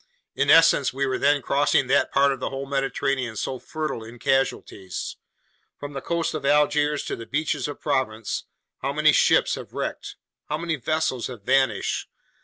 In essence, we were then crossing that part of the whole Mediterranean so fertile in casualties. From the coast of Algiers to the beaches of Provence, how many ships have wrecked, how many vessels have vanished!